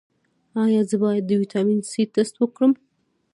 ایا زه باید د ویټامین سي ټسټ وکړم؟